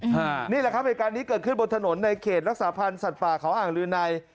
อีกคันนึงนี่แหละครับอีกการนี้เกิดขึ้นบนถนนในเขตรักษาพันธ์สัตว์ป่าเขาอ่างริวนัย